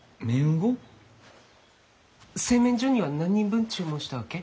製麺所には何人分注文したわけ？